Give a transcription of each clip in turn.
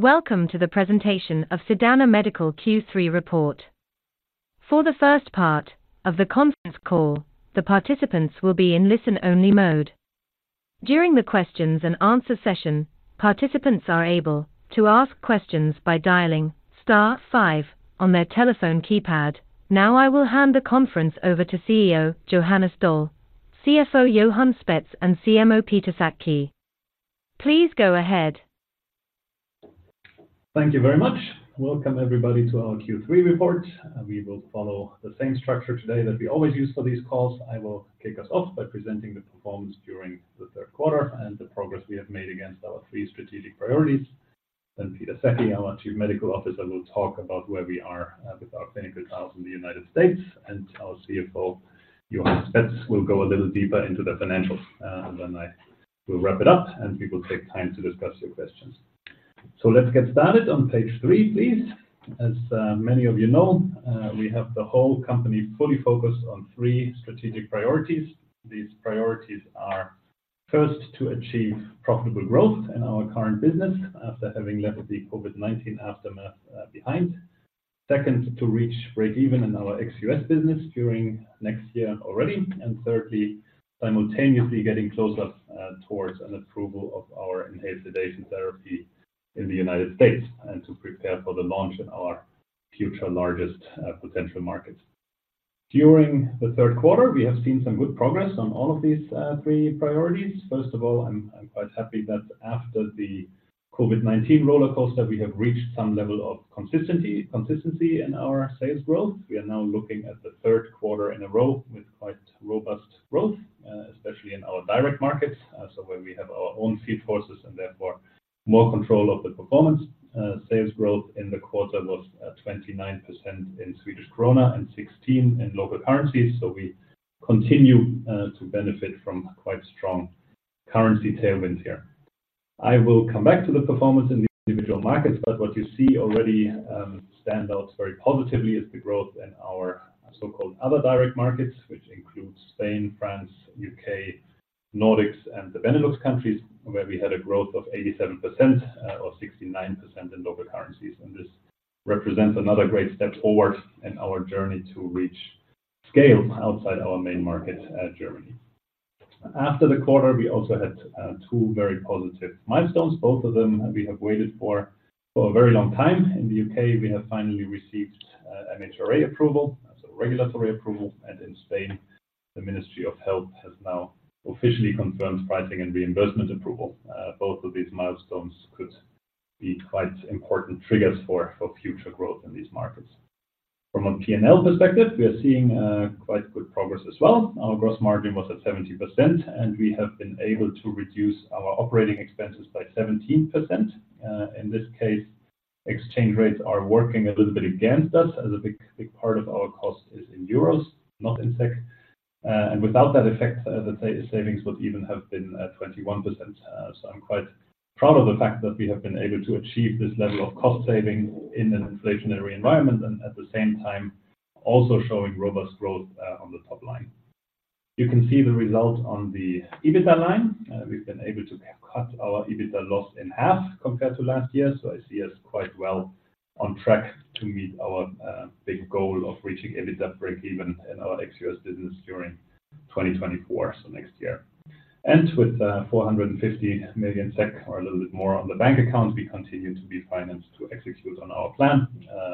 Welcome to the presentation of Sedana Medical Q3 report. For the first part of the conference call, the participants will be in listen-only mode. During the questions and answer session, participants are able to ask questions by dialing star five on their telephone keypad. Now, I will hand the conference over to CEO, Johannes Doll; CFO, Johan Spetz; and CMO, Peter Sackey. Please go ahead. Thank you very much. Welcome, everybody, to our Q3 report. We will follow the same structure today that we always use for these calls. I will kick us off by presenting the performance during the third quarter and the progress we have made against our three strategic priorities. Then Peter Sackey, our Chief Medical Officer, will talk about where we are with our clinical trials in the United States, and our CFO, Johan Spetz, will go a little deeper into the financials. Then I will wrap it up, and we will take time to discuss your questions. So let's get started. On page three, please. As many of you know, we have the whole company fully focused on three strategic priorities. These priorities are, first, to achieve profitable growth in our current business after having left the COVID-19 aftermath behind. Second, to reach breakeven in our ex-U.S. business during next year already. And thirdly, simultaneously getting closer towards an approval of our inhaled sedation therapy in the United States, and to prepare for the launch in our future largest potential markets. During the third quarter, we have seen some good progress on all of these three priorities. First of all, I'm quite happy that after the COVID-19 rollercoaster, we have reached some level of consistency in our sales growth. We are now looking at the third quarter in a row with quite robust growth, especially in our direct markets, so where we have our own sales forces and therefore more control of the performance. Sales growth in the quarter was 29% in Swedish krona and 16% in local currency. So we continue to benefit from quite strong currency tailwind here. I will come back to the performance in the individual markets, but what you see already stand out very positively is the growth in our so-called other direct markets, which includes Spain, France, U.K., Nordics, and the Benelux countries, where we had a growth of 87%, or 69% in local currencies. And this represents another great step forward in our journey to reach scale outside our main market at Germany. After the quarter, we also had two very positive milestones, both of them we have waited for, for a very long time. In the U.K., we have finally received an MHRA approval, so regulatory approval. And in Spain, the Ministry of Health has now officially confirmed pricing and reimbursement approval. Both of these milestones could be quite important triggers for future growth in these markets. From a P&L perspective, we are seeing quite good progress as well. Our gross margin was at 70%, and we have been able to reduce our operating expenses by 17%. In this case, exchange rates are working a little bit against us, as a big part of our cost is in euros, not in SEK. And without that effect, the savings would even have been at 21%. So I'm quite proud of the fact that we have been able to achieve this level of cost saving in an inflationary environment, and at the same time, also showing robust growth on the top line. You can see the result on the EBITDA line. We've been able to cut our EBITDA loss in half compared to last year, so I see us quite well on track to meet our big goal of reaching EBITDA breakeven in our ex-U.S. business during 2024, so next year. With 450 million SEK or a little bit more on the bank account, we continue to be financed to execute on our plan,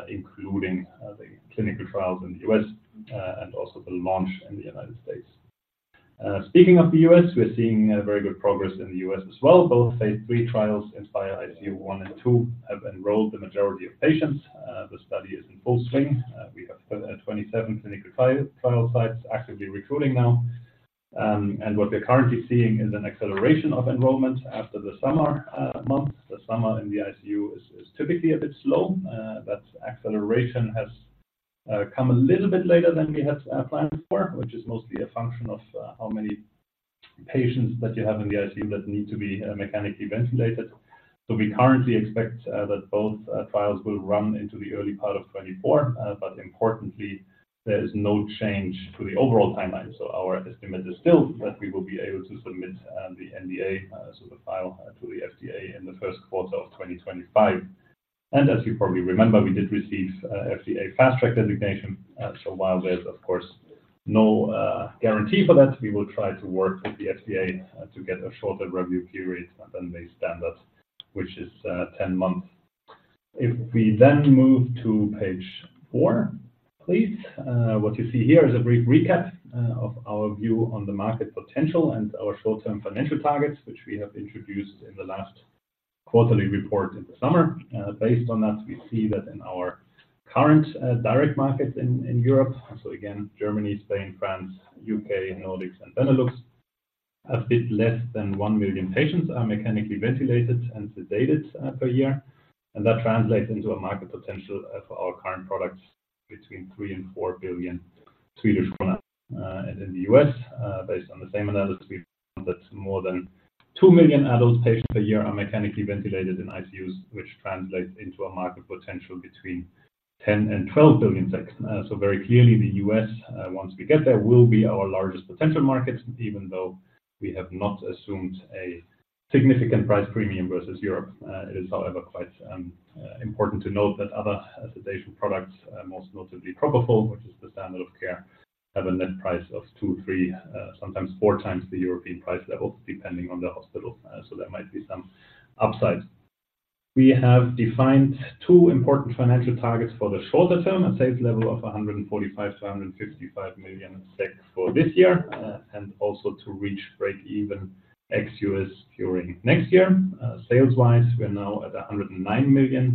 including the clinical trials in the US and also the launch in the United States. Speaking of the U.S., we're seeing a very good progress in the U.S. as well. Both phase III trials, INSPiRE-ICU 1 and 2, have enrolled the majority of patients. The study is in full swing. We have 27 clinical trial sites actively recruiting now. What we're currently seeing is an acceleration of enrollment after the summer months. The summer in the ICU is typically a bit slow. That acceleration has come a little bit later than we had planned for, which is mostly a function of how many patients that you have in the ICU that need to be mechanically ventilated. So we currently expect that both trials will run into the early part of 2024. But importantly, there is no change to the overall timeline. So our estimate is still that we will be able to submit the NDA, so the file, to the FDA in the first quarter of 2025. And as you probably remember, we did receive FDA Fast Track designation. So while there's, of course, no guarantee for that, we will try to work with the FDA to get a shorter review period than the standard, which is 10 months. If we then move to page four, please. What you see here is a brief recap of our view on the market potential and our short-term financial targets, which we have introduced in the last quarterly report in the summer. Based on that, we see that in our current direct markets in Europe, so again, Germany, Spain, France, U.K., Nordics, and Benelux, a bit less than 1 million patients are mechanically ventilated and sedated per year. And that translates into a market potential for our current products between 3 billion and 4 billion Swedish kronor. And in the U.S., based on the same analysis. That more than 2 million adult patients per year are mechanically ventilated in ICUs, which translates into a market potential between 10 billion-12 billion. So very clearly, the U.S., once we get there, will be our largest potential market, even though we have not assumed a significant price premium versus Europe. It is, however, quite important to note that other sedation products, most notably propofol, which is the standard of care, have a net price of 2x, 3x, sometimes 4x the European price level, depending on the hospital. So there might be some upside. We have defined two important financial targets for the shorter term: a sales level of 145 million-155 million for this year, and also to reach break-even ex-U.S. during next year. Sales-wise, we are now at 109 million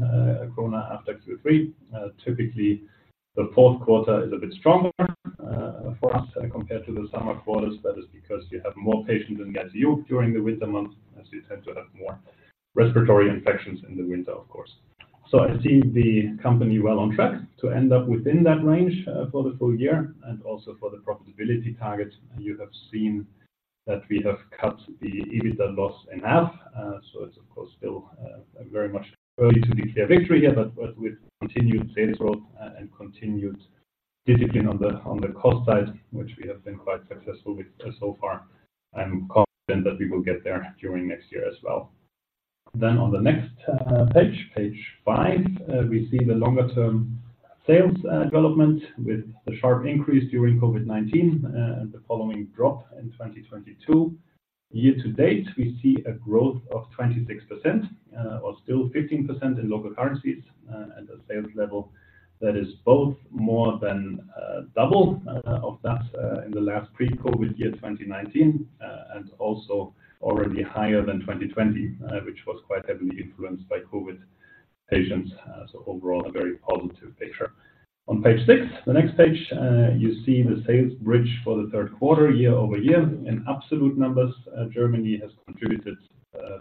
krona after Q3. Typically, the fourth quarter is a bit stronger for us compared to the summer quarters. That is because you have more patients in ICU during the winter months, as you tend to have more respiratory infections in the winter, of course. So I see the company well on track to end up within that range for the full year and also for the profitability target. You have seen that we have cut the EBITDA loss in half. So it's, of course, still very much early to declare victory here, but with continued sales growth and continued discipline on the cost side, which we have been quite successful with so far, I'm confident that we will get there during next year as well. Then on the next page, page five, we see the longer-term sales development with the sharp increase during COVID-19, and the following drop in 2022. Year to date, we see a growth of 26%, or still 15% in local currencies, and a sales level that is both more than double of that in the last pre-COVID year, 2019. And also already higher than 2020, which was quite heavily influenced by COVID patients. So overall, a very positive picture. On page six, the next page, you see the sales bridge for the third quarter, year-over-year. In absolute numbers, Germany has contributed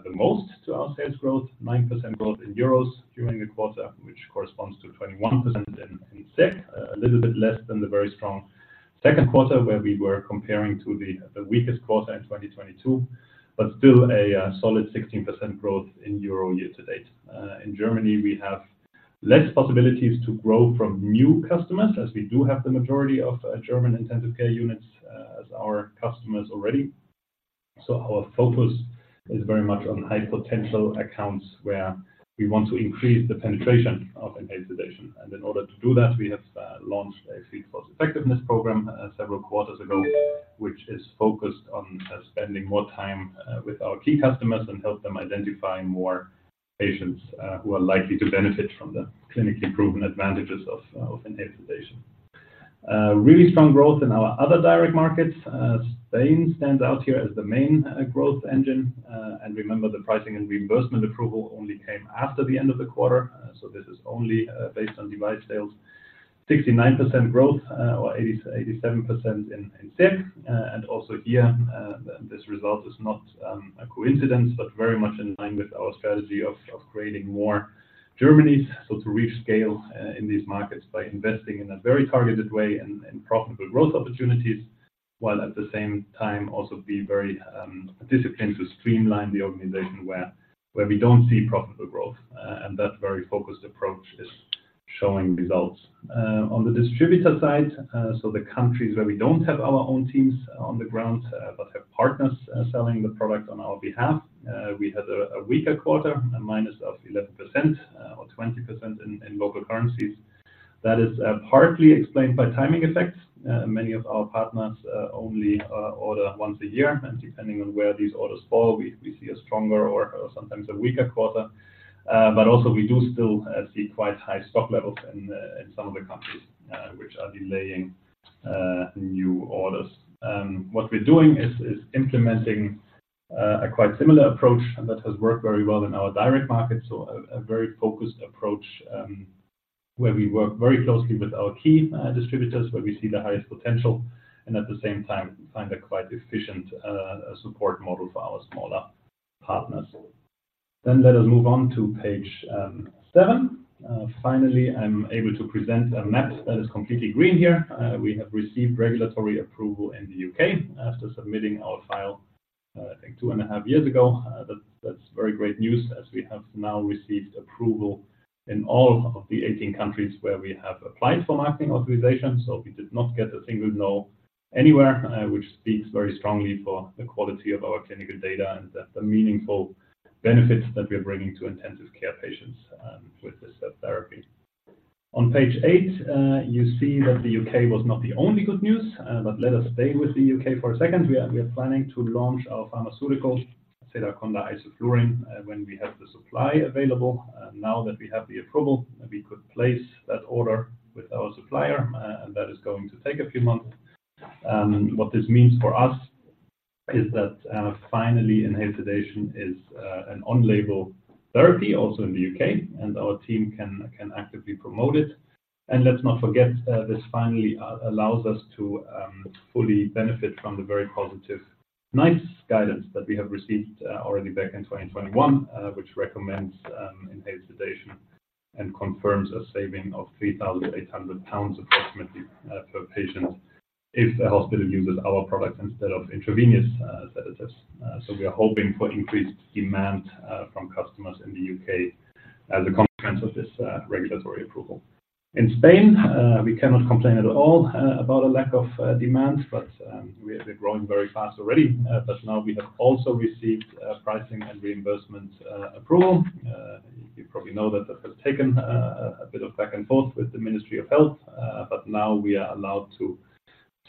the most to our sales growth, 9% growth in EUR during the quarter, which corresponds to 21% in SEK. A little bit less than the very strong second quarter, where we were comparing to the weakest quarter in 2022, but still a solid 16% growth in EUR year to date. In Germany, we have less possibilities to grow from new customers, as we do have the majority of German intensive care units as our customers already. So our focus is very much on high potential accounts, where we want to increase the penetration of inhaled sedation. And in order to do that, we have launched a field force effectiveness program several quarters ago, which is focused on spending more time with our key customers and help them identify more patients who are likely to benefit from the clinically proven advantages of inhaled sedation. Really strong growth in our other direct markets. Spain stands out here as the main growth engine. And remember, the pricing and reimbursement approval only came after the end of the quarter, so this is only based on device sales. 69% growth, or 87% in SEK. And also here, this result is not a coincidence, but very much in line with our strategy of creating more Germanys. So to reach scale in these markets by investing in a very targeted way and profitable growth opportunities, while at the same time also be very disciplined to streamline the organization where we don't see profitable growth. And that very focused approach is showing results. On the distributor side, so the countries where we don't have our own teams on the ground, but have partners selling the product on our behalf, we had a weaker quarter, a of -11% or 20% in local currencies. That is partly explained by timing effects. Many of our partners only order once a year, and depending on where these orders fall, we see a stronger or sometimes a weaker quarter. But also we do still see quite high stock levels in some of the countries, which are delaying new orders. What we're doing is implementing a quite similar approach, and that has worked very well in our direct market. So, a very focused approach, where we work very closely with our key distributors, where we see the highest potential, and at the same time, find a quite efficient support model for our smaller partners. Then let us move on to page seven. Finally, I'm able to present a map that is completely green here. We have received regulatory approval in the U.K. after submitting our file, I think 2.5 years ago. That's very great news, as we have now received approval in all of the 18 countries where we have applied for marketing authorization. So we did not get a single no anywhere, which speaks very strongly for the quality of our clinical data and the meaningful benefits that we're bringing to intensive care patients with this therapy. On page eight, you see that the U.K. was not the only good news, but let us stay with the U.K. for a second. We are planning to launch our pharmaceutical, Sedaconda isoflurane, when we have the supply available. Now that we have the approval, we could place that order with our supplier, and that is going to take a few months. What this means for us is that finally, inhaled sedation is an on-label therapy also in the U.K., and our team can actively promote it. And let's not forget, this finally allows us to fully benefit from the very positive NICE guidance that we have received already back in 2021. Which recommends inhaled sedation and confirms a saving of 3,800 pounds approximately per patient. If a hospital uses our product instead of intravenous sedatives. So we are hoping for increased demand from customers in the U.K. as a consequence of this regulatory approval. In Spain, we cannot complain at all about a lack of demand, but we have been growing very fast already. But now we have also received pricing and reimbursement approval. You probably know that that has taken a bit of back and forth with the Ministry of Health, but now we are allowed to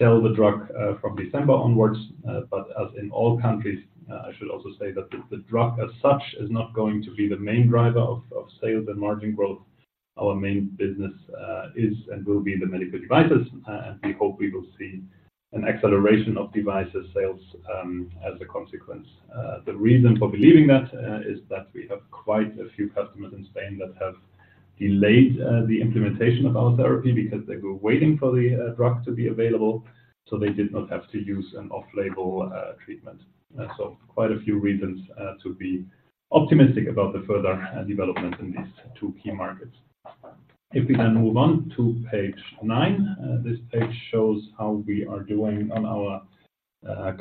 sell the drug from December onwards. But as in all countries, I should also say that the drug as such is not going to be the main driver of sales and margin growth. Our main business is and will be the medical devices, and we hope we will see an acceleration of devices sales, as a consequence. The reason for believing that is that we have quite a few customers in Spain that have delayed the implementation of our therapy because they were waiting for the drug to be available, so they did not have to use an off-label treatment. And so quite a few reasons to be optimistic about the further development in these two key markets. If we can move on to page nine. This page shows how we are doing on our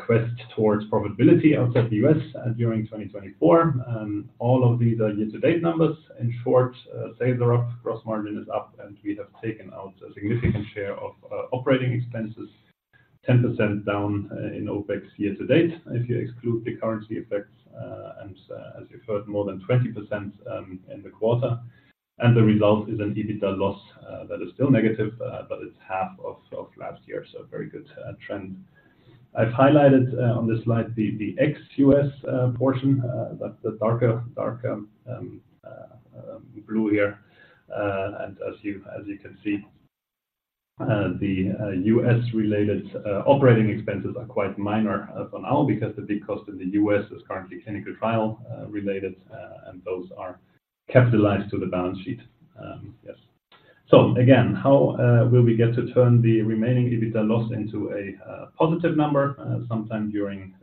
quest towards profitability outside the U.S., during 2024. And all of these are year-to-date numbers. In short, sales are up, gross margin is up, and we have taken out a significant share of operating expenses, 10% down in OpEx year to date, if you exclude the currency effects, and as you've heard, more than 20% in the quarter. And the result is an EBITDA loss that is still negative, but it's half of last year. So very good trend. I've highlighted on this slide the ex-U.S. portion that the darker blue here. And as you can see, the U.S.-related operating expenses are quite minor as for now, because the big cost in the U.S. is currently clinical trial related, and those are capitalized to the balance sheet. Yes. So again, how will we get to turn the remaining EBITDA loss into a positive number sometime during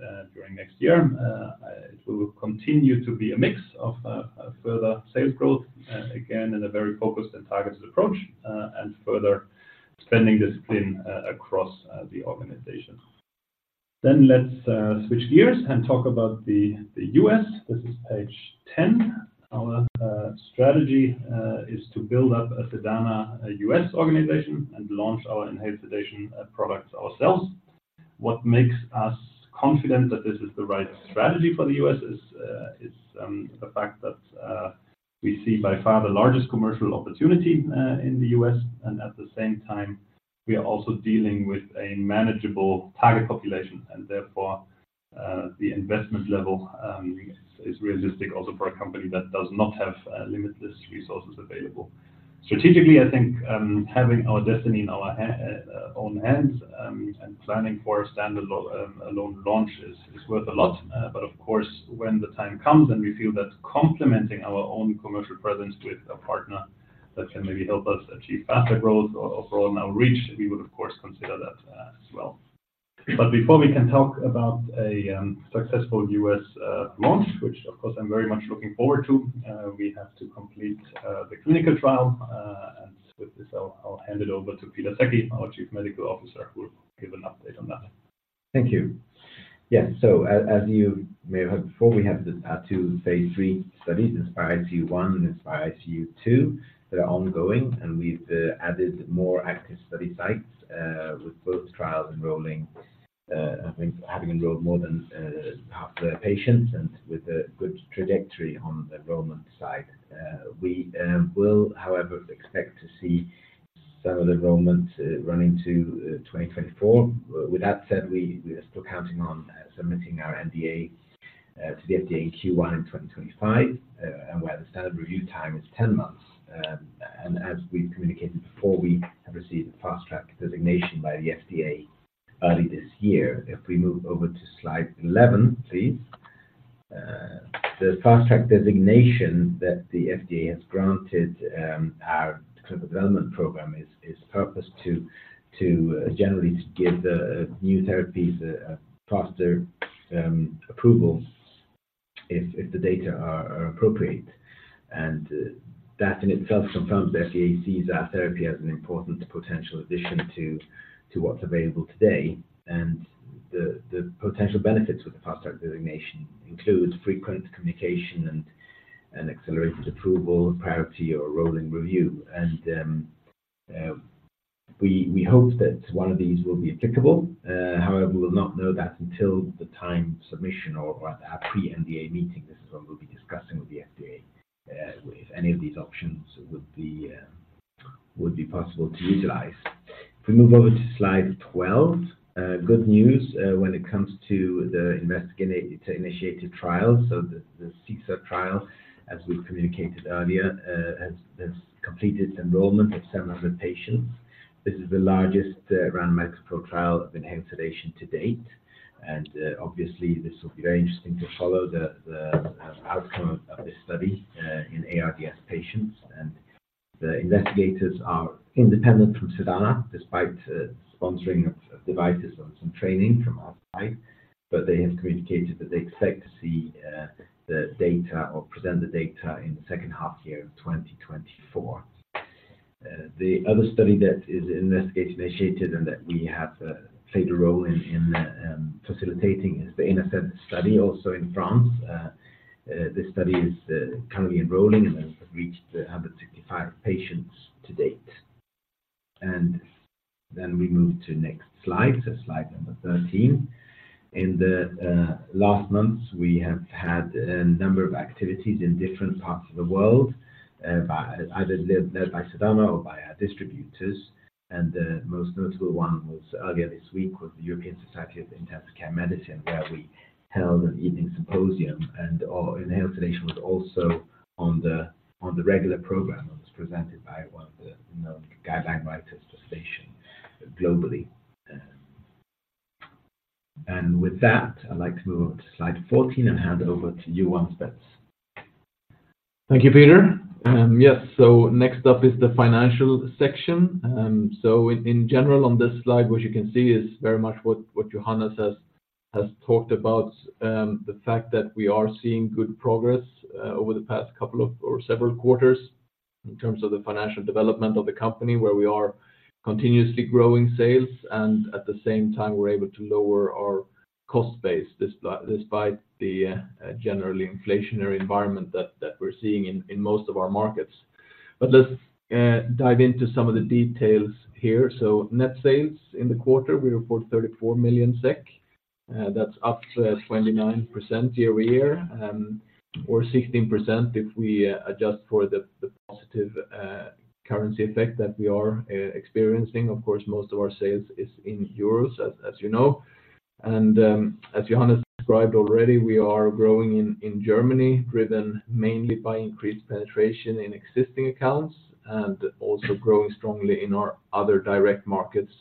next year? It will continue to be a mix of further sales growth, again, in a very focused and targeted approach, and further spending discipline across the organization. Then let's switch gears and talk about the U.S.. This is page ten. Our strategy is to build up a Sedana U.S. organization and launch our inhaled sedation products ourselves. What makes us confident that this is the right strategy for the U.S. is the fact that we see by far the largest commercial opportunity in the U.S., and at the same time, we are also dealing with a manageable target population. And therefore, the investment level is realistic also for a company that does not have limitless resources available. Strategically, I think, having our destiny in our own hands, and planning for a standalone launch is worth a lot. But of course, when the time comes and we feel that complementing our own commercial presence with a partner that can maybe help us achieve faster growth or broaden our reach, we would of course consider that as well. But before we can talk about a successful U.S. launch, which of course I'm very much looking forward to, we have to complete the clinical trial, and with this, I'll hand it over to Peter Sackey, our Chief Medical Officer, who will give an update on that. Thank you. Yes, so as you may have heard before, we have the two phase III studies, INSPiRE-ICU 1 and INSPiRE-ICU 2, that are ongoing, and we've added more active study sites with both trials enrolling. I think having enrolled more than half the patients and with a good trajectory on the enrollment side. We will, however, expect to see some of the enrollment running to 2024. With that said, we are still counting on submitting our NDA to the FDA in Q1 2025, and where the standard review time is 10 months. And as we've communicated before, we have received a Fast Track Designation by the FDA early this year. If we move over to slide 11, please. The Fast Track Designation that the FDA has granted, our clinical development program is purposed to generally give the new therapies a faster approval if the data are appropriate. And that in itself confirms the FDA sees our therapy as an important potential addition to what's available today. And the potential benefits with the Fast Track designation includes frequent communication and an accelerated approval, priority or rolling review. And we hope that one of these will be applicable, however, we will not know that until the time of submission or at our pre-NDA meeting. This is what we'll be discussing with the FDA, if any of these options would be possible to utilize. If we move over to slide 12. Good news when it comes to the investigator-initiated trial. So the SESAR trial, as we communicated earlier, has completed enrollment of 700 patients. This is the largest randomized medical trial of inhaled sedation to date, and obviously, this will be very interesting to follow the outcome of this study in ARDS patients. And the investigators are independent from Sedana, despite sponsoring of devices and some training from our side. But they have communicated that they expect to see the data or present the data in the second half year of 2024. The other study that is investigator-initiated and that we have played a role in facilitating is the INASEC study, also in France. This study is currently enrolling and has reached 165 patients to date. Then we move to next slide. So slide number 13. In the last months, we have had a number of activities in different parts of the world, by either led by Sedana or by our distributors. And the most notable one was earlier this week the European Society of Intensive Care Medicine, where we held an evening symposium, and inhalation was also on the regular program, and was presented by one of the known guideline writers for sedation globally. And with that, I'd like to move on to slide 14 and hand over to you, Johan Spetz. Thank you, Peter. Yes, so next up is the financial section. So in general, on this slide, what you can see is very much what Johannes has talked about. The fact that we are seeing good progress over the past couple of or several quarters, in terms of the financial development of the company, where we are continuously growing sales, and at the same time, we're able to lower our cost base, despite the generally inflationary environment that we're seeing in most of our markets. But let's dive into some of the details here. So net sales in the quarter, we report 34 million SEK, that's up 29% year-over-year, or 16% if we adjust for the positive currency effect that we are experiencing. Of course, most of our sales is in euros, as you know. As Johannes described already, we are growing in Germany, driven mainly by increased penetration in existing accounts, and also growing strongly in our other direct markets,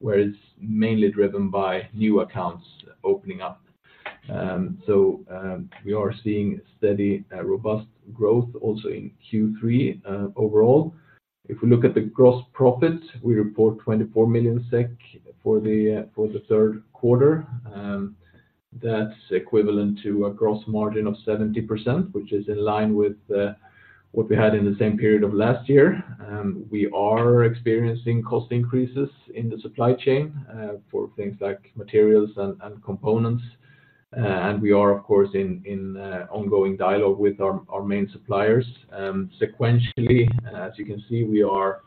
where it's mainly driven by new accounts opening up. We are seeing steady, robust growth also in Q3, overall. If we look at the gross profit, we report 24 million SEK for the third quarter. That's equivalent to a gross margin of 70%, which is in line with what we had in the same period of last year. We are experiencing cost increases in the supply chain, for things like materials and components. We are, of course, in ongoing dialogue with our main suppliers. Sequentially, as you can see, we are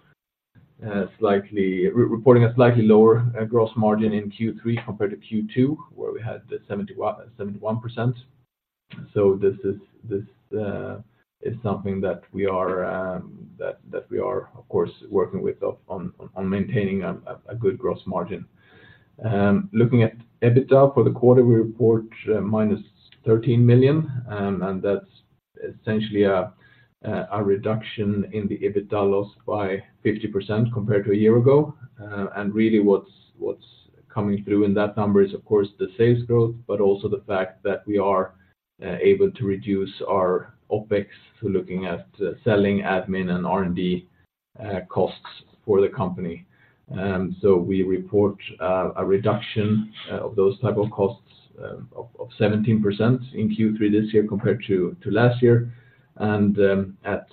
reporting a slightly lower gross margin in Q3 compared to Q2, where we had 71%. So this is something that we are, of course, working on maintaining a good gross margin. Looking at EBITDA for the quarter, we report -13 million, and that's essentially a reduction in the EBITDA loss by 50% compared to a year ago. And really, what's coming through in that number is, of course, the sales growth, but also the fact that we are able to reduce our OpEx, so looking at selling, admin, and R&D costs for the company. So we report a reduction of those type of costs of 17% in Q3 this year compared to last year. And at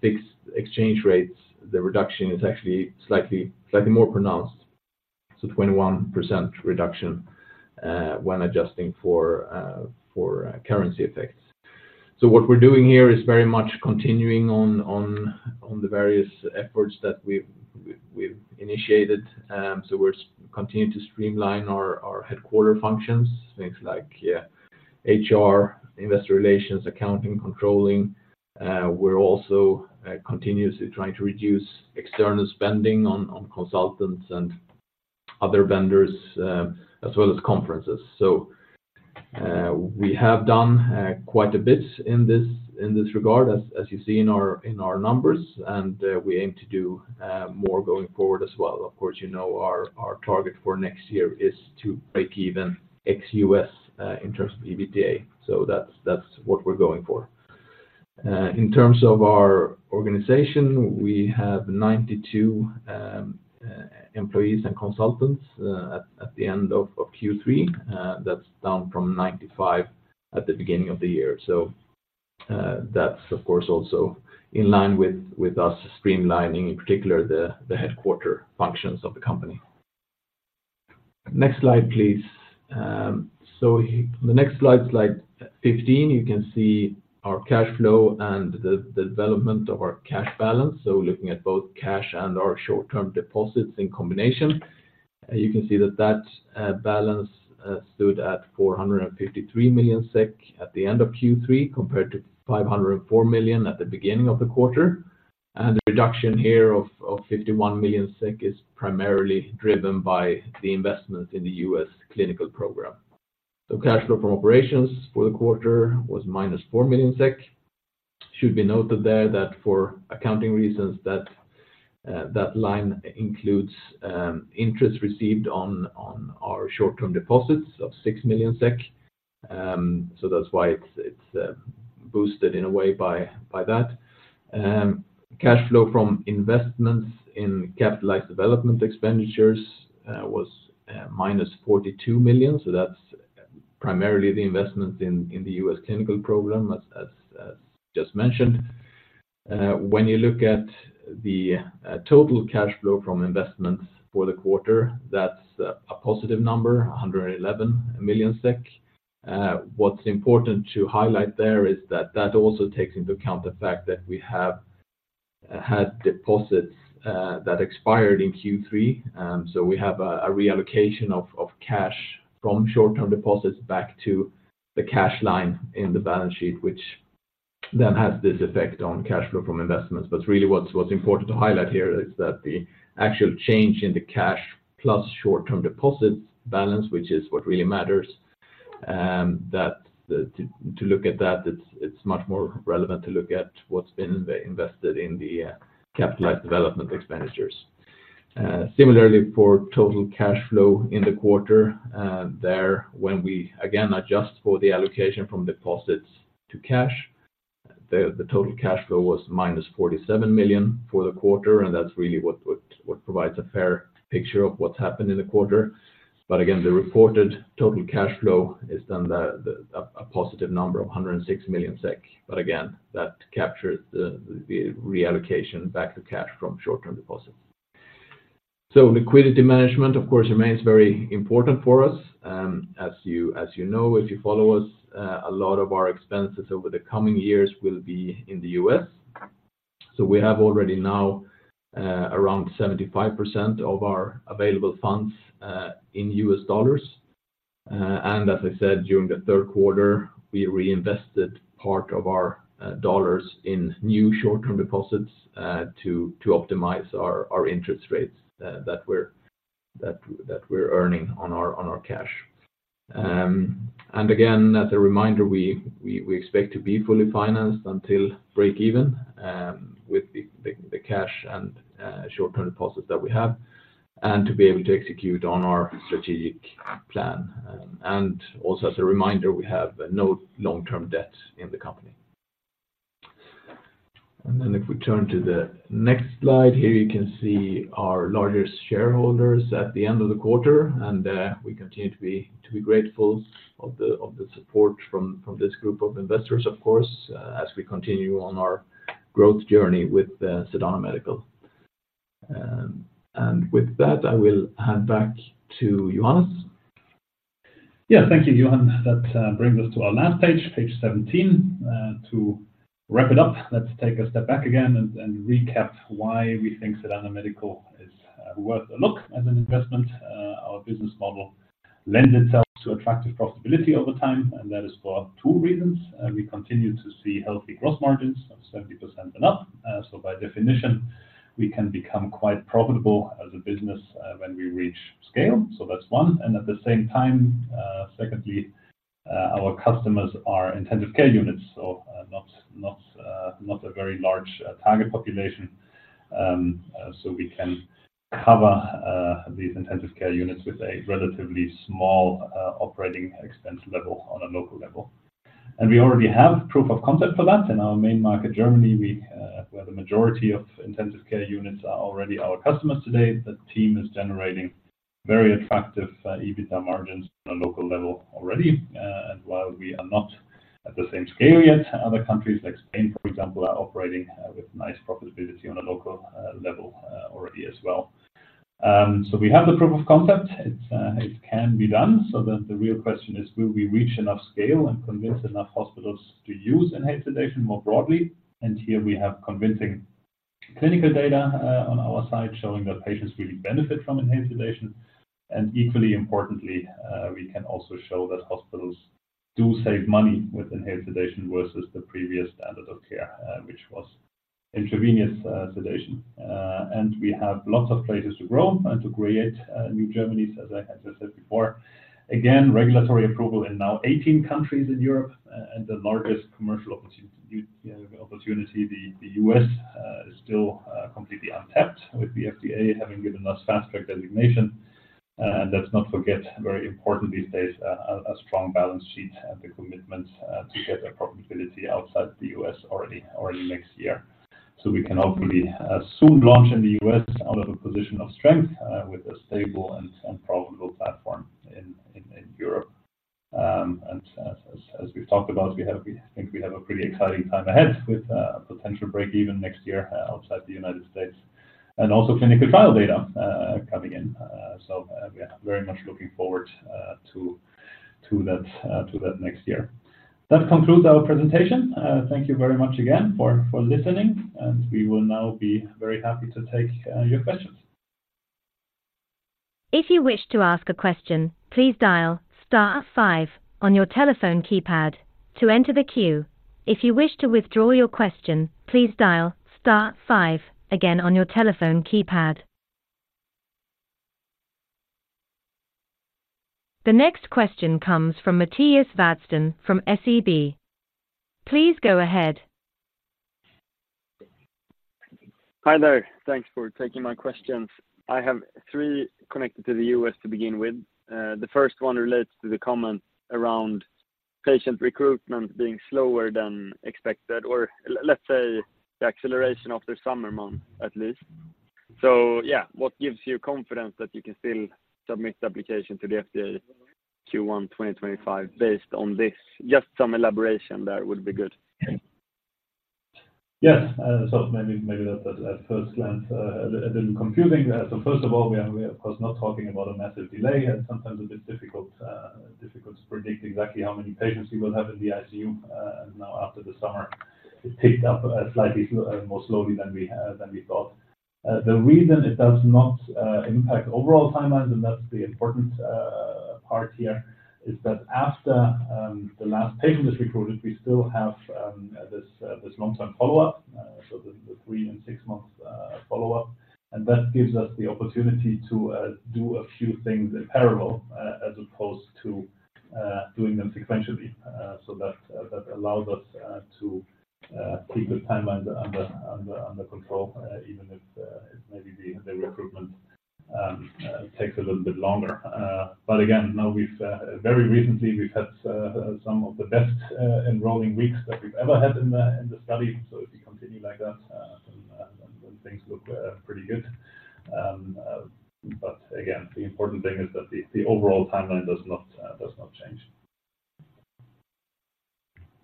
fixed exchange rates, the reduction is actually slightly more pronounced. So 21% reduction when adjusting for currency effects. So what we're doing here is very much continuing on the various efforts that we've initiated. So we're continuing to streamline our headquarters functions, things like HR, investor relations, accounting, controlling. We're also continuously trying to reduce external spending on consultants and other vendors, as well as conferences. So we have done quite a bit in this regard, as you see in our numbers, and we aim to do more going forward as well. Of course, you know, our target for next year is to break even ex-U.S. in terms of EBITDA. So that's what we're going for. In terms of our organization, we have 92 employees and consultants at the end of Q3. That's down from 95 at the beginning of the year. So that's of course also in line with us streamlining, in particular, the headquarters functions of the company. Next slide, please. So the next slide, slide 15, you can see our cash flow and the development of our cash balance. So looking at both cash and our short-term deposits in combination, you can see that balance stood at 453 million SEK at the end of Q3, compared to 504 million at the beginning of the quarter. And the reduction here of 51 million SEK is primarily driven by the investment in the U.S. clinical program. So cash flow from operations for the quarter was -4 million SEK. Should be noted there that for accounting reasons, that line includes interest received on our short-term deposits of 6 million SEK. So that's why it's boosted in a way by that. Cash flow from investments in capitalized development expenditures was -42 million. So that's primarily the investments in the U.S. clinical program, as just mentioned. When you look at the total cash flow from investments for the quarter, that's a positive number, 111 million SEK. What's important to highlight there is that that also takes into account the fact that we have had deposits that expired in Q3. So we have a reallocation of cash from short-term deposits back to the cash line in the balance sheet, which then has this effect on cash flow from investments. But really, what's important to highlight here is that the actual change in the cash plus short-term deposits balance, which is what really matters, to look at that, it's much more relevant to look at what's been invested in the capitalized development expenditures. Similarly, for total cash flow in the quarter, there, when we again adjust for the allocation from deposits to cash, the total cash flow was -47 million for the quarter, and that's really what provides a fair picture of what's happened in the quarter. But again, the reported total cash flow is then a positive number of 106 million SEK. But again, that captures the reallocation back to cash from short-term deposits. So liquidity management, of course, remains very important for us. As you know, if you follow us, a lot of our expenses over the coming years will be in the U.S. So we have already now around 75% of our available funds in U.S. dollars. And as I said, during the third quarter, we reinvested part of our dollars in new short-term deposits to optimize our interest rates that we're earning on our cash. And again, as a reminder, we expect to be fully financed until break even, with the cash and short-term deposits that we have, and to be able to execute on our strategic plan. And also as a reminder, we have no long-term debts in the company. And then if we turn to the next slide, here you can see our largest shareholders at the end of the quarter, and we continue to be grateful of the support from this group of investors, of course, as we continue on our growth journey with Sedana Medical. With that, I will hand back to Johannes. Yeah. Thank you, Johan. That brings us to our last page, page 17. To wrap it up, let's take a step back again and recap why we think Sedana Medical is worth a look as an investment. Our business model lend itself to attractive profitability over time, and that is for two reasons. We continue to see healthy growth margins of 70% and up. So by definition, we can become quite profitable as a business when we reach scale. So that's one. And at the same time, secondly, our customers are intensive care units, so not a very large target population. So we can cover these intensive care units with a relatively small operating expense level on a local level. And we already have proof of concept for that. In our main market, Germany, where the majority of intensive care units are already our customers today, the team is generating very attractive EBITDA margins on a local level already. And while we are not at the same scale yet, other countries like Spain, for example, are operating with nice profitability on a local level already as well. So we have the proof of concept. It can be done. So then the real question is: Will we reach enough scale and convince enough hospitals to use inhaled sedation more broadly? And here we have convincing clinical data on our side, showing that patients really benefit from inhaled sedation. And equally importantly, we can also show that hospitals do save money with inhaled sedation versus the previous standard of care, which was intravenous sedation. We have lots of places to grow and to create new Germanies, as I had just said before. Again, regulatory approval in now 18 countries in Europe, and the largest commercial opportunity, the U.S., is still completely untapped, with the FDA having given us Fast Track Designation. And let's not forget, very important these days, a strong balance sheet and the commitment to get profitability outside the U.S. already next year. So we can hopefully soon launch in the U.S. out of a position of strength, with a stable and profitable platform in Europe. And as we've talked about, we have. I think we have a pretty exciting time ahead with a potential break-even next year outside the United States, and also clinical trial data coming in. So we are very much looking forward to that next year. That concludes our presentation. Thank you very much again for listening, and we will now be very happy to take your questions. If you wish to ask a question, please dial star five on your telephone keypad to enter the queue. If you wish to withdraw your question, please dial star five again on your telephone keypad. The next question comes from Mattias Vadsten from SEB. Please go ahead. Hi there. Thanks for taking my questions. I have three connected to the U.S. to begin with. The first one relates to the comment around patient recruitment being slower than expected, or let's say, the acceleration of the summer months, at least. So yeah, what gives you confidence that you can still submit the application to the FDA Q1 2025 based on this? Just some elaboration there would be good. Yes, so maybe, maybe that at first glance a little confusing. So first of all, we are, we are, of course, not talking about a massive delay, and sometimes a bit difficult, difficult to predict exactly how many patients we will have in the ICU. Now, after the summer, it picked up, slightly, more slowly than we, than we thought. The reason it does not impact overall timelines, and that's the important part here, is that after the last patient is recruited, we still have this, this long-term follow-up, so the, the three and six-month follow-up. And that gives us the opportunity to do a few things in parallel, as opposed to doing them sequentially. So that allows us to keep the timeline under control, even if maybe the recruitment takes a little bit longer. But again, now we've very recently had some of the best enrolling weeks that we've ever had in the study. So if we continue like that, then things look pretty good. But again, the important thing is that the overall timeline does not change.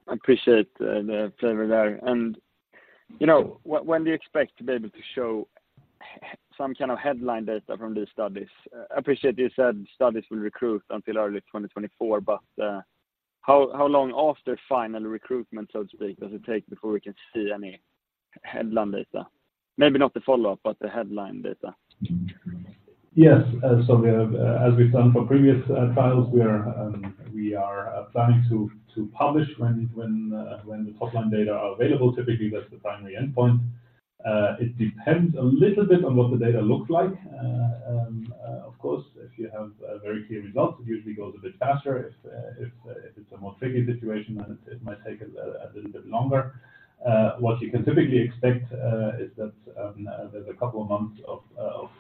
I appreciate the flavor there. And, you know, when do you expect to be able to show some kind of headline data from these studies? I appreciate you said studies will recruit until early 2024, but, how long after final recruitment, so to speak, does it take before we can see any headline data? Maybe not the follow-up, but the headline data. Yes, so we have, as we've done for previous trials, we are planning to publish when the top-line data are available. Typically, that's the primary endpoint. It depends a little bit on what the data looks like. Of course, if you have very clear results, it usually goes a bit faster. If it's a more tricky situation, then it might take a little bit longer. What you can typically expect is that there's a couple of months of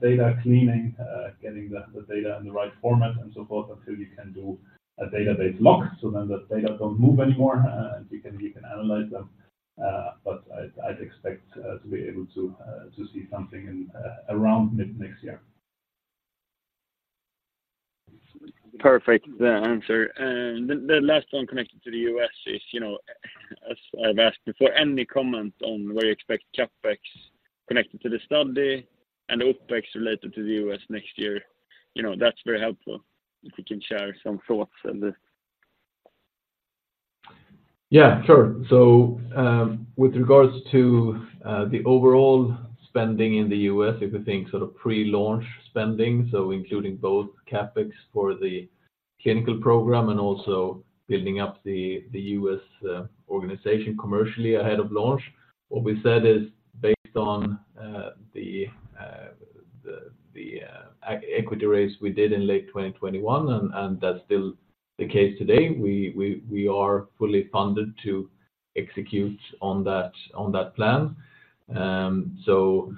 data cleaning, getting the data in the right format and so forth, until you can do a database lock, so then the data don't move anymore, and you can analyze them. But I'd expect to be able to see something in around mid-next year. Perfect, the answer. The last one connected to the U.S. is, you know, as I've asked before, any comment on where you expect CapEx connected to the study and OpEx related to the US next year? You know, that's very helpful, if you can share some thoughts on this. Yeah, sure. So, with regards to the overall spending in the U.S., if you think sort of pre-launch spending, so including both CapEx for the clinical program and also building up the U.S. organization commercially ahead of launch, what we said is based on the equity raise we did in late 2021, and that's still the case today. We are fully funded to execute on that plan. So,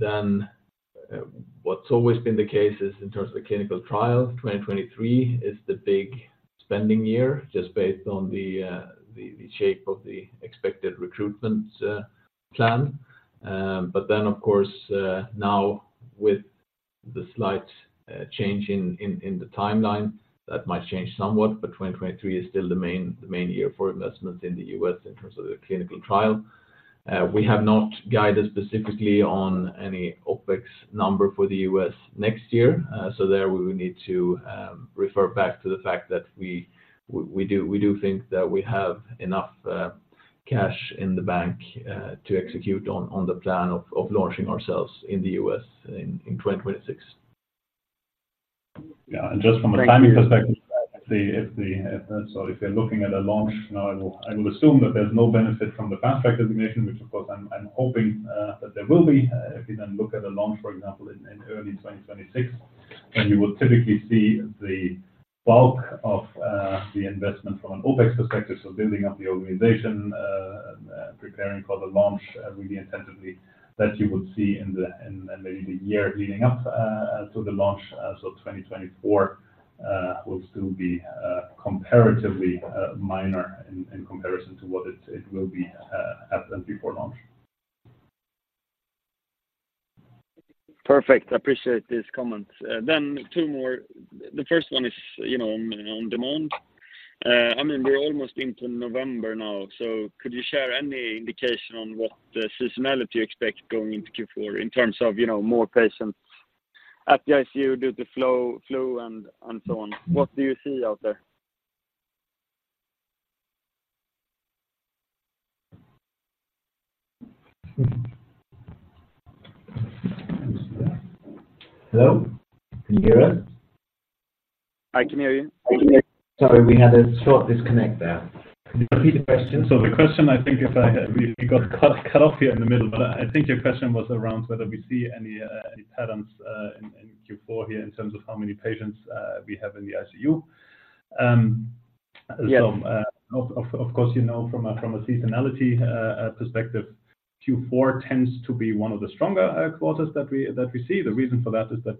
then, what's always been the case is in terms of the clinical trial, 2023 is the big spending year, just based on the shape of the expected recruitment plan. But then, of course, now with the slight change in the timeline, that might change somewhat, but 2023 is still the main year for investments in the U.S. in terms of the clinical trial. We have not guided specifically on any OpEx number for the U.S. next year. So there we would need to refer back to the fact that we do think that we have enough cash in the bank to execute on the plan of launching ourselves in the U.S. in 2026. Yeah, and just from a timing perspective so if you're looking at a launch now, I will assume that there's no benefit from the Fast Track Designation, which of course I'm hoping that there will be. If you then look at a launch, for example, in early 2026, then you will typically see the bulk of the investment from an OpEx perspective, so building up the organization, preparing for the launch really intensively, that you would see in maybe the year leading up to the launch. So 2024 will still be comparatively minor in comparison to what it will be after and before launch. Perfect. I appreciate these comments. Then two more. The first one is, you know, on demand. I mean, we're almost into November now, so could you share any indication on what seasonality you expect going into Q4 in terms of, you know, more patients at the ICU due to flu and so on? What do you see out there? Hello, can you hear us? I can hear you. I can hear you. Sorry, we had a short disconnect there. Can you repeat the question? So the question, I think if we got cut off here in the middle, but I think your question was around whether we see any patterns in Q4 here in terms of how many patients we have in the ICU. So, of course, you know, from a seasonality perspective, Q4 tends to be one of the stronger quarters that we see. The reason for that is that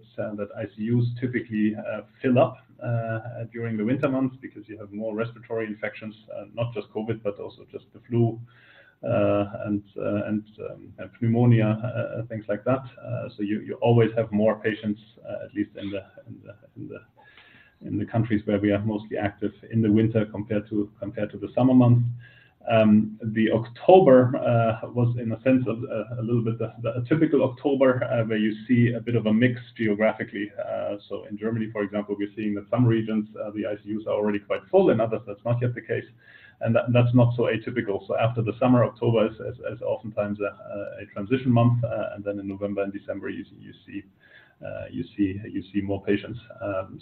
ICUs typically fill up during the winter months because you have more respiratory infections, not just COVID, but also just the flu, and pneumonia, things like that. So you always have more patients, at least in the countries where we are mostly active in the winter compared to the summer months. October was in a sense of a little bit the typical October where you see a bit of a mix geographically. So in Germany, for example, we're seeing that some regions the ICUs are already quite full, in others, that's not yet the case, and that's not so atypical. So after the summer, October is oftentimes a transition month. And then in November and December, you see more patients.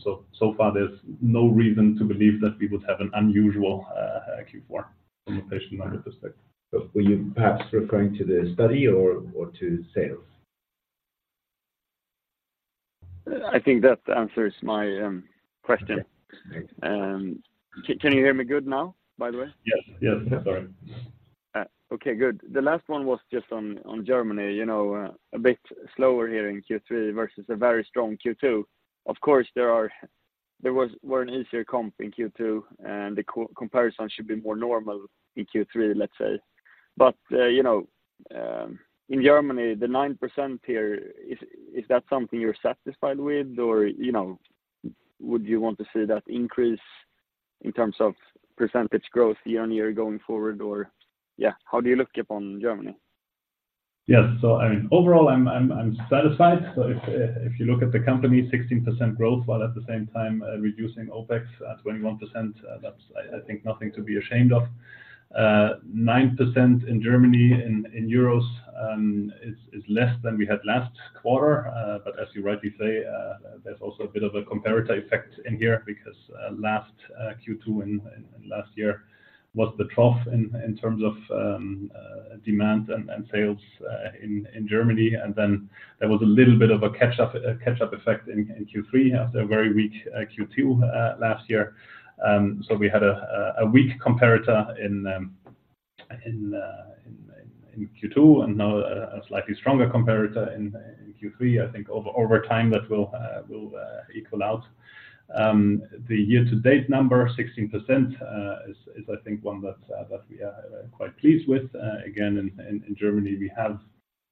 So far, there's no reason to believe that we would have an unusual Q4 from a patient number perspective. Were you perhaps referring to the study or to sales? I think that answers my question. Okay, thanks. Can you hear me good now, by the way? Yes, yes. Sorry. Okay, good. The last one was just on Germany, you know, a bit slower here in Q3 versus a very strong Q2. Of course, there was an easier comp in Q2, and the comparison should be more normal in Q3, let's say. But, you know, in Germany, the 9% here, is that something you're satisfied with? Or, you know, would you want to see that increase in terms of percentage growth year on year going forward? Or, yeah, how do you look upon Germany? Yes. So I mean, overall, I'm satisfied. So if you look at the company, 16% growth, while at the same time, reducing OpEx at 21%, that's, I think, nothing to be ashamed of. 9% in Germany, in euros, is less than we had last quarter. But as you rightly say, there's also a bit of a comparator effect in here because last Q2 in last year was the trough in terms of demand and sales in Germany. And then there was a little bit of a catch up effect in Q3 after a very weak Q2 last year. So we had a weak comparator in Q2, and now a slightly stronger comparator in Q3. I think over time, that will equal out. The year-to-date number, 16%, is I think one that we are quite pleased with. Again, in Germany, we have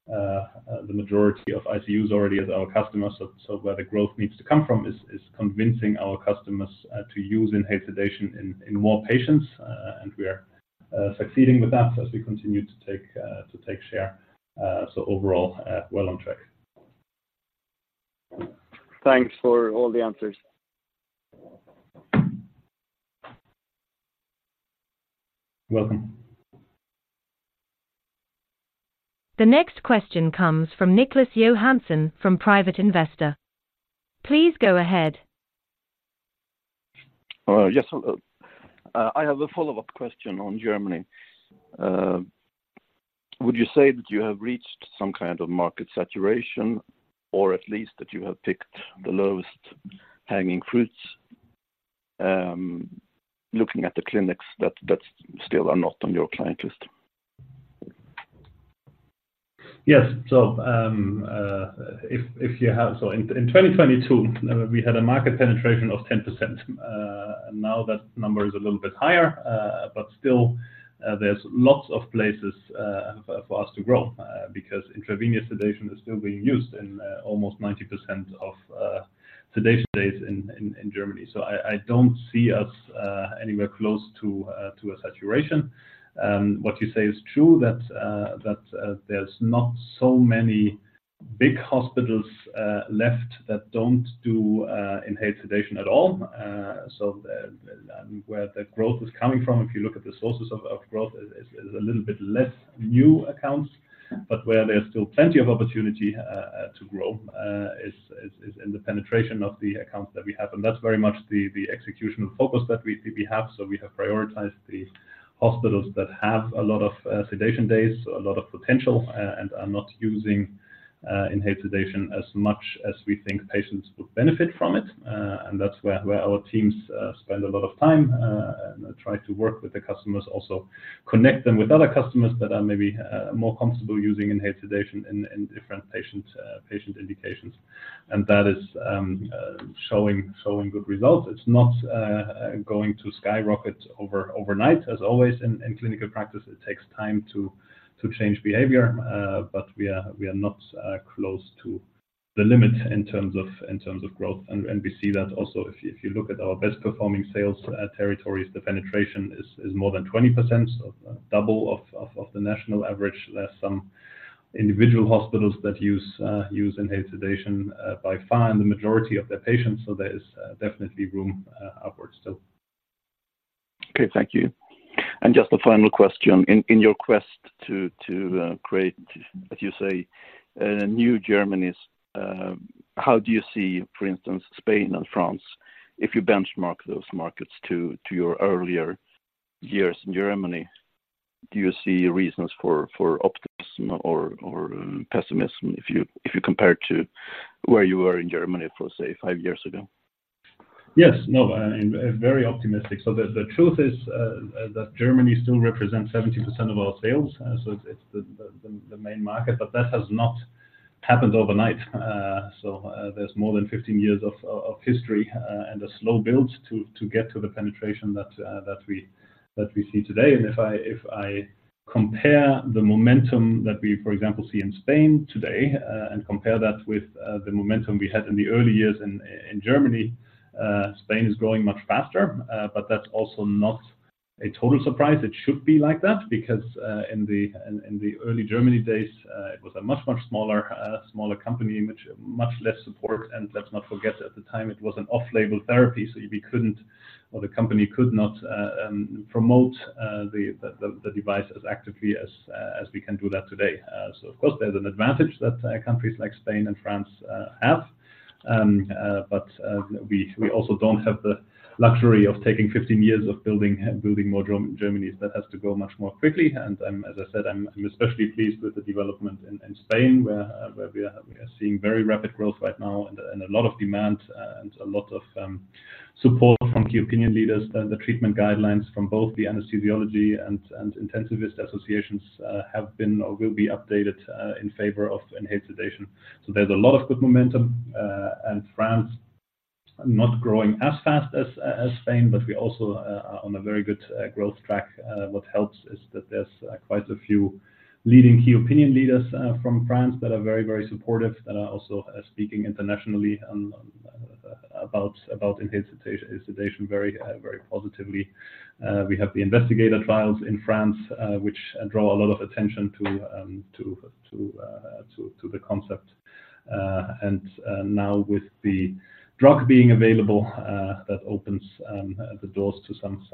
the majority of ICUs already as our customers. So where the growth needs to come from is convincing our customers to use inhaled sedation in more patients, and we are succeeding with that as we continue to take share. So overall, well on track. Thanks for all the answers. Welcome. The next question comes from Niklas Johansson, from Private Investor. Please go ahead. Yes, hello. I have a follow-up question on Germany. Would you say that you have reached some kind of market saturation, or at least that you have picked the lowest hanging fruits, looking at the clinics that still are not on your client list? Yes. So, if you have, so in 2022, we had a market penetration of 10%. And now that number is a little bit higher, but still, there's lots of places, for us to grow, because intravenous sedation is still being used in almost 90% of sedation days in Germany. So I don't see us anywhere close to a saturation. What you say is true, that there's not so many big hospitals left that don't do inhaled sedation at all. So, where the growth is coming from, if you look at the sources of growth, is a little bit less new accounts, but where there's still plenty of opportunity to grow is in the penetration of the accounts that we have. And that's very much the executional focus that we have. So we have prioritized the hospitals that have a lot of sedation days, so a lot of potential, and are not using inhaled sedation as much as we think patients would benefit from it. And that's where our teams spend a lot of time and try to work with the customers, also connect them with other customers that are maybe more comfortable using inhaled sedation in different patient indications. That is showing good results. It's not going to skyrocket overnight. As always, in clinical practice, it takes time to change behavior, but we are not close to the limit in terms of growth. And we see that also, if you look at our best-performing sales territories, the penetration is more than 20%, so double of the national average. There are some individual hospitals that use inhaled sedation by far in the majority of their patients, so there is definitely room upwards still. Okay, thank you. And just a final question: In your quest to create, as you say, new Germanies, how do you see, for instance, Spain and France, if you benchmark those markets to your earlier years in Germany? Do you see reasons for optimism or pessimism if you compare to where you were in Germany for, say, five years ago? Yes. No, I'm very optimistic. So the truth is that Germany still represents 70% of our sales, so it's the main market, but that has not happened overnight. So there's more than 15 years of history and a slow build to get to the penetration that we see today. And if I compare the momentum that we, for example, see in Spain today and compare that with the momentum we had in the early years in Germany, Spain is growing much faster. But that's also not a total surprise. It should be like that, because in the early Germany days it was a much smaller company, much less support. Let's not forget, at the time, it was an off-label therapy, so we couldn't, or the company could not, promote the device as actively as we can do that today. Of course, there's an advantage that countries like Spain and France have. But we also don't have the luxury of taking 15 years of building more Germanys. That has to grow much more quickly. I'm as I said, I'm especially pleased with the development in Spain, where we are seeing very rapid growth right now and a lot of demand, and a lot of support from key opinion leaders. The treatment guidelines from both the anesthesiology and intensivist associations have been or will be updated in favor of inhaled sedation. So there's a lot of good momentum. France, not growing as fast as Spain, but we also are on a very good growth track. What helps is that there's quite a few leading key opinion leaders from France that are very, very supportive and are also speaking internationally about inhaled sedation very positively. We have the investigator trials in France, which draw a lot of attention to the concept. And now with the drug being available, that opens the doors to some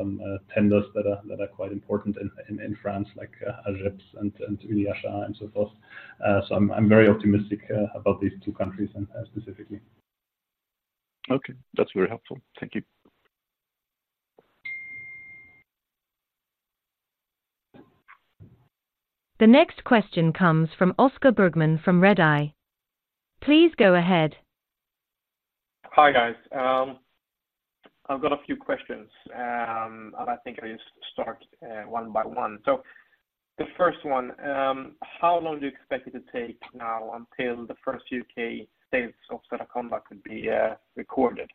tenders that are quite important in France, like AGEPS and UniHA and so forth. So I'm very optimistic about these two countries and specifically. Okay, that's very helpful. Thank you. The next question comes from Oscar Bergman from Redeye. Please go ahead. Hi, guys. I've got a few questions, and I think I just start one by one. So the first one, how long do you expect it to take now until the first U.K. sales of Sedaconda could be recorded?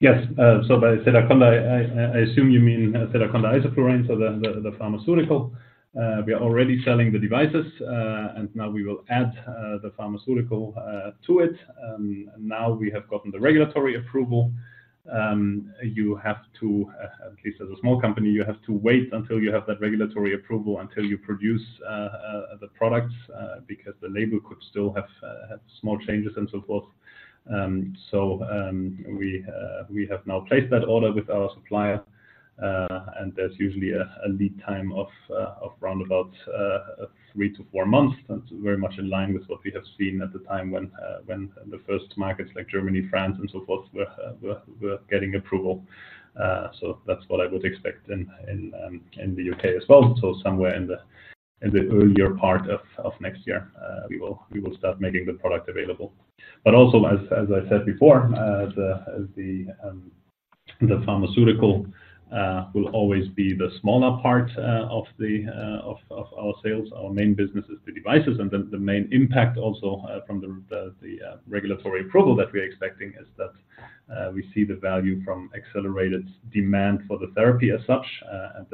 Yes. So by Sedaconda, I assume you mean Sedaconda isoflurane, so the pharmaceutical. We are already selling the devices, and now we will add the pharmaceutical to it. Now we have gotten the regulatory approval. You have to, at least as a small company, wait until you have that regulatory approval until you produce the products, because the label could still have small changes and so forth. So, we have now placed that order with our supplier, and there's usually a lead time of round about three-four months. That's very much in line with what we have seen at the time when the first markets like Germany, France, and so forth were getting approval. So that's what I would expect in the U.K. as well. So somewhere in the earlier part of next year, we will start making the product available. But also, as I said before, the pharmaceutical will always be the smaller part of our sales. Our main business is the devices, and the main impact also from the regulatory approval that we're expecting is that we see the value from accelerated demand for the therapy as such, and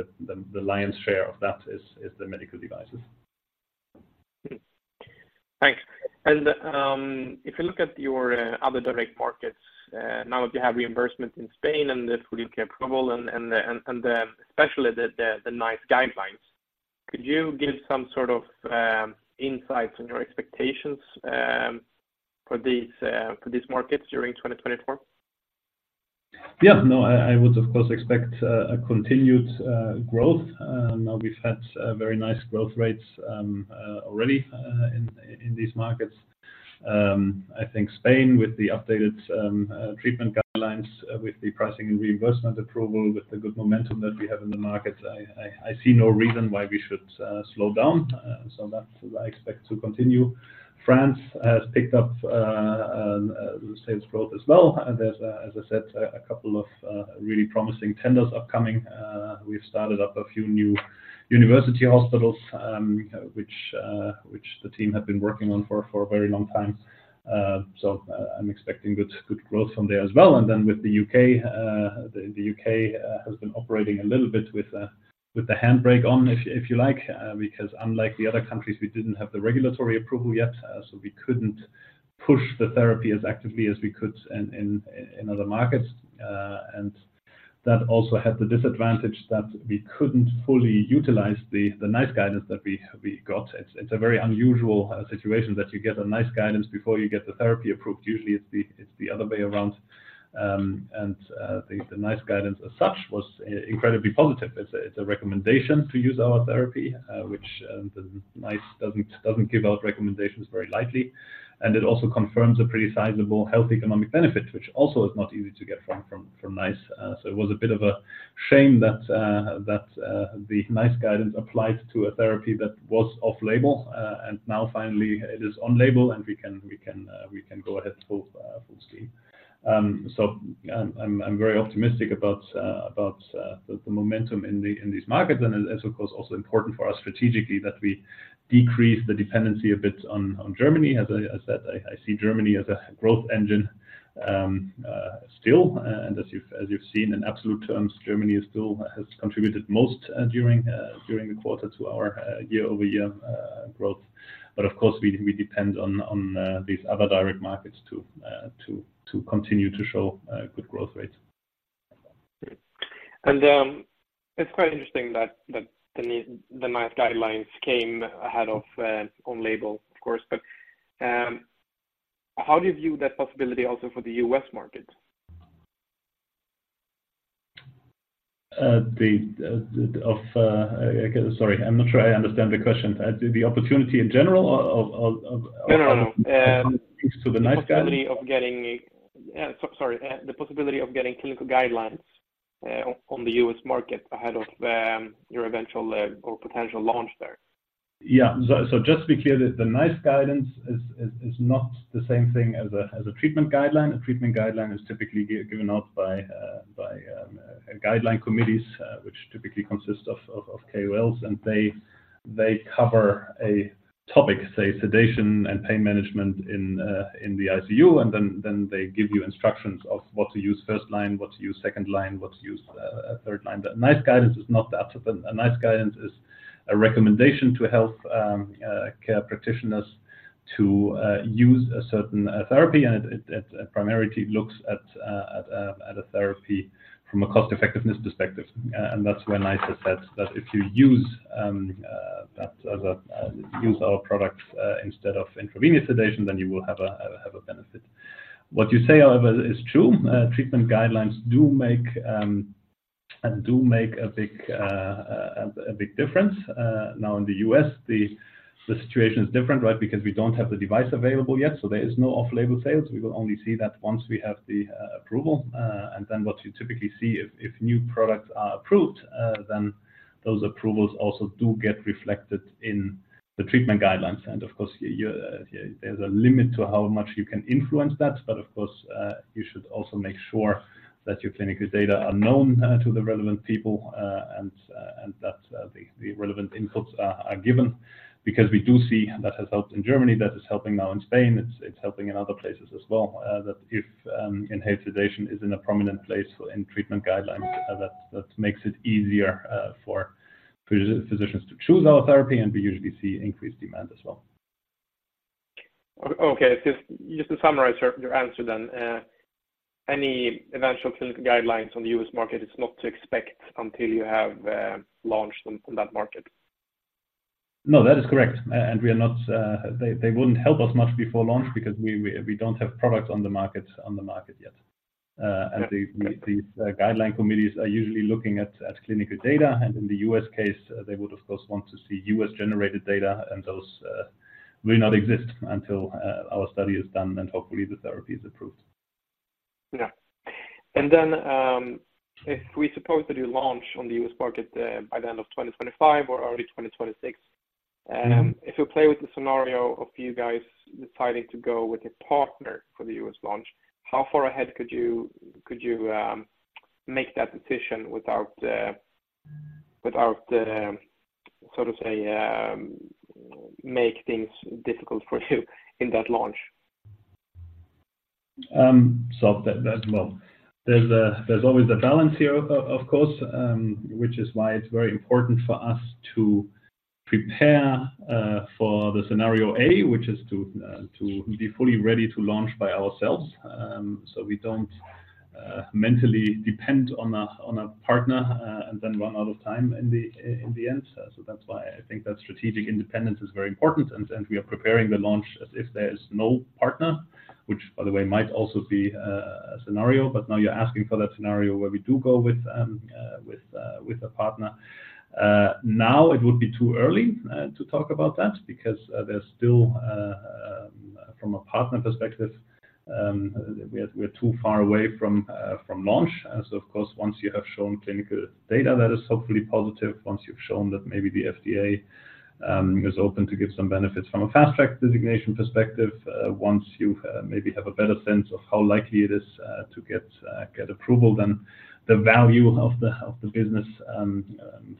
the lion's share of that is the medical devices. Thanks. And, if you look at your other direct markets, now that you have reimbursement in Spain and the full approval and, especially the NICE guidelines, could you give some sort of insights on your expectations for these markets during 2024? Yeah. No, I would, of course, expect a continued growth. Now, we've had very nice growth rates already in these markets. I think Spain, with the updated treatment guidelines, with the pricing and reimbursement approval, with the good momentum that we have in the market, I see no reason why we should slow down. So that I expect to continue. France has picked up the sales growth as well. There's, as I said, a couple of really promising tenders upcoming. We've started up a few new university hospitals, which the team have been working on for a very long time. So, I'm expecting good growth from there as well. And then with the U.K., the U.K. has been operating a little bit with a handbrake on, if you like, because unlike the other countries, we didn't have the regulatory approval yet, so we couldn't push the therapy as actively as we could in other markets. And that also had the disadvantage that we couldn't fully utilize the NICE guidance that we got. It's a very unusual situation that you get a NICE guidance before you get the therapy approved. Usually, it's the other way around. And the NICE guidance as such was incredibly positive. It's a recommendation to use our therapy, which the NICE doesn't give out recommendations very lightly. It also confirms a pretty sizable health economic benefit, which also is not easy to get from NICE. So it was a bit of a shame that the NICE guidance applied to a therapy that was off-label, and now finally it is on-label, and we can go ahead full steam. So I'm very optimistic about the momentum in these markets. It's, of course, also important for us strategically, that we decrease the dependency a bit on Germany. As I said, I see Germany as a growth engine still, and as you've seen in absolute terms, Germany still has contributed most during the quarter to our year-over-year growth. But of course, we depend on these other direct markets to continue to show good growth rates. It's quite interesting that the NICE guidelines came ahead of on-label, of course. But, how do you view that possibility also for the U.S. market? Sorry, I'm not sure I understand the question. The opportunity in general of- No, no, no. To the NICE guide? The possibility of getting clinical guidelines on the U.S. market ahead of your eventual or potential launch there. Yeah. So just to be clear, the NICE guidance is not the same thing as a treatment guideline. A treatment guideline is typically given out by guideline committees, which typically consist of KOLs, and they cover a topic, say, sedation and pain management in the ICU, and then they give you instructions of what to use first line, what to use second line, what to use third line. But NICE guidance is not that. A NICE guidance is a recommendation to health care practitioners to use a certain therapy, and it primarily looks at a therapy from a cost-effectiveness perspective. And that's where NICE has said that if you use that use our products instead of intravenous sedation, then you will have a benefit. What you say, however, is true. Treatment guidelines do make a big difference. Now in the U.S., the situation is different, right? Because we don't have the device available yet, so there is no off-label sales. We will only see that once we have the approval. And then what you typically see if new products are approved, then those approvals also do get reflected in the treatment guidelines. Of course, you, there's a limit to how much you can influence that, but of course, you should also make sure that your clinical data are known to the relevant people, and that the relevant inputs are given. Because we do see that has helped in Germany, that is helping now in Spain, it's helping in other places as well. That if inhaled sedation is in a prominent place in treatment guidelines, that makes it easier for physicians to choose our therapy, and we usually see increased demand as well. Okay. Just to summarize your answer then, any eventual clinical guidelines on the U.S. market is not to expect until you have launched on that market? No, that is correct. And we are not. They wouldn't help us much before launch because we don't have products on the market yet. And the guideline committees are usually looking at clinical data, and in the U.S. case, they would, of course, want to see U.S.-generated data, and those may not exist until our study is done, and hopefully, the therapy is approved. Yeah. And then, if we suppose that you launch on the U.S. market by the end of 2025 or early 2026. If you play with the scenario of you guys deciding to go with a partner for the US launch, how far ahead could you make that decision without so to say make things difficult for you in that launch? So there's always a balance here, of course, which is why it's very important for us to prepare for the scenario A, which is to be fully ready to launch by ourselves. So we don't mentally depend on a partner and then run out of time in the end. So that's why I think that strategic independence is very important, and we are preparing the launch as if there is no partner, which, by the way, might also be a scenario. But now you're asking for that scenario where we do go with a partner. Now, it would be too early to talk about that because there's still from a partner perspective, we are too far away from launch. So of course, once you have shown clinical data that is hopefully positive, once you've shown that maybe the FDA is open to give some benefits from a Fast Track Designation perspective, once you maybe have a better sense of how likely it is to get approval, then the value of the business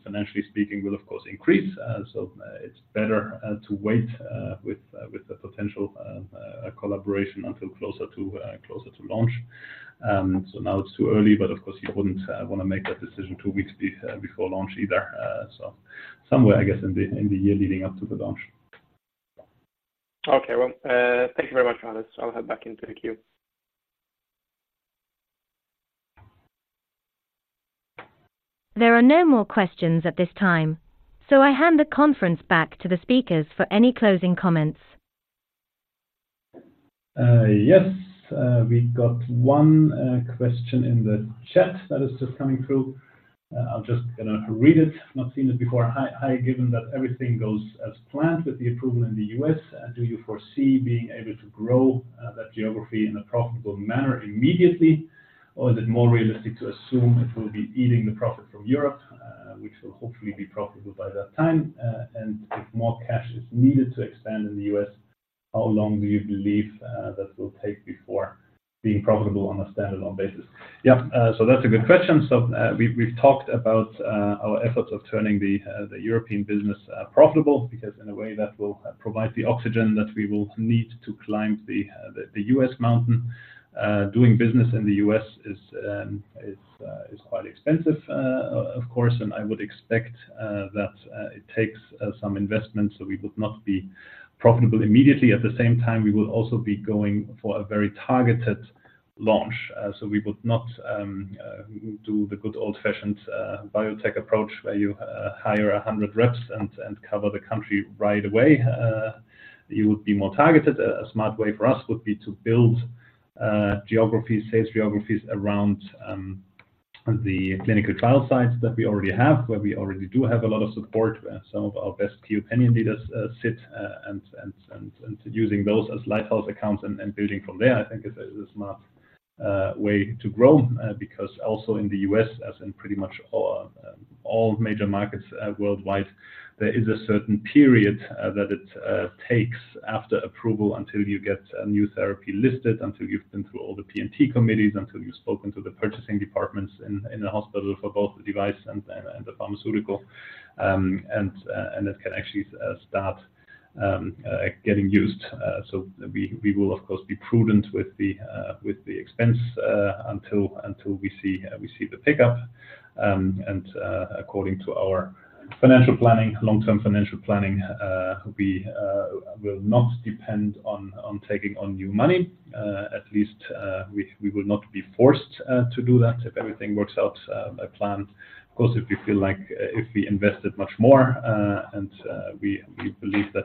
financially speaking, will of course increase. So it's better to wait with the potential collaboration until closer to launch. So now it's too early, but of course, you wouldn't wanna make that decision two weeks before launch either. Somewhere, I guess, in the year leading up to the launch. Okay. Well, thank you very much, Hannes. I'll head back into the queue. There are no more questions at this time, so I hand the conference back to the speakers for any closing comments. Yes. We got one question in the chat that is just coming through. I'm just gonna read it, not seen it before. "Hi, given that everything goes as planned with the approval in the U.S., do you foresee being able to grow that geography in a profitable manner immediately? Or is it more realistic to assume it will be eating the profit from Europe, which will hopefully be profitable by that time, and if more cash is needed to expand in the U.S., how long do you believe that will take before being profitable on a stand-alone basis? Yeah, so that's a good question. So, we've talked about our efforts of turning the European business profitable, because in a way, that will provide the oxygen that we will need to climb the U.S. mountain. Doing business in the U.S. is quite expensive, of course, and I would expect that it takes some investment, so we would not be profitable immediately. At the same time, we will also be going for a very targeted launch. So we would not do the good old-fashioned biotech approach, where you hire 100 reps and cover the country right away. You would be more targeted. A smart way for us would be to build geographies, sales geographies around the clinical trial sites that we already have, where we already do have a lot of support, where some of our best key opinion leaders sit and using those as lighthouse accounts and building from there, I think is a smart way to grow. Because also in the U.S., as in pretty much all all major markets worldwide, there is a certain period that it takes after approval until you get a new therapy listed, until you've been through all the P&T committees, until you've spoken to the purchasing departments in the hospital for both the device and the pharmaceutical. And it can actually start getting used. So we will, of course, be prudent with the expense until we see the pickup. And according to our financial planning, long-term financial planning, we will not depend on taking on new money. At least, we will not be forced to do that if everything works out as planned. Of course, if we feel like if we invested much more and we believe that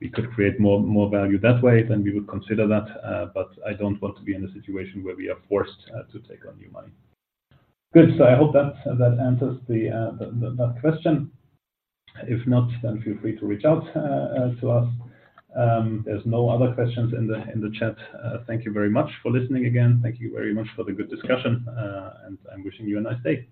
we could create more value that way, then we would consider that, but I don't want to be in a situation where we are forced to take on new money. Good. So I hope that answers the question. If not, then feel free to reach out to us. There's no other questions in the chat. Thank you very much for listening again. Thank you very much for the good discussion, and I'm wishing you a nice day.